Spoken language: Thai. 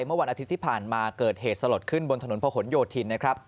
เมื่อวันอาทิตย์ที่ผ่านมาเกิดเหตุสลดขึ้นบนถนนพระหลโยธินนะครับ